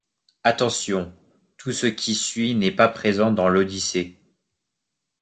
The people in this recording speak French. Attention: tout ce qui suit n'est pas présent dans l'Odyssée.